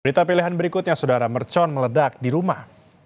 berita pilihan berikutnya saudara mercon meledak di rumah